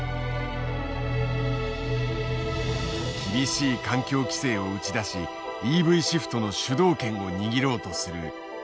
厳しい環境規制を打ち出しＥＶシフトの主導権を握ろうとするＥＵ。